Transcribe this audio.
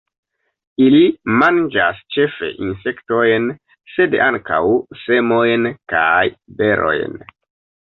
Ili manĝas ĉefe insektojn, sed ankaŭ semojn kaj berojn.